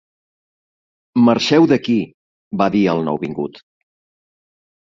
"Marxeu d'aquí", va dir el nouvingut.